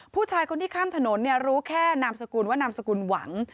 ผู้ชายคนที่ข้ามถนนรู้แค่นามสกุลว่านามสกุลหวัง